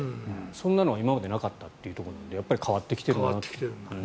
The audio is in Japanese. そんなのは今までなかったというところなので変わってきているのかなと。